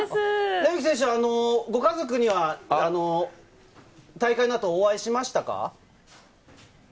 レメキ選手、ご家族には大会の後、お会いしましたか？